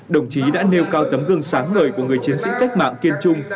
đồng chí đã nêu cao tấm gương sáng ngời của người chiến sĩ cách mạng kiên trung